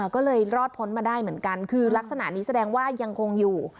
ก็เลยรอดพ้นมาได้เหมือนกันคือลักษณะนี้แสดงว่ายังคงอยู่